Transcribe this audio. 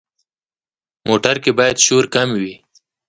موټر کې باید شور کم وي.